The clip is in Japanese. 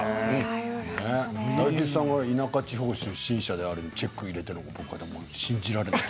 大吉さんは田舎地方出身者でチェックを入れていますが信じられない。